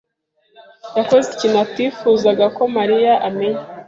yakoze ikintu atifuzaga ko Mariya amenya.